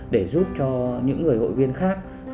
để giúp cho những người hội viên khác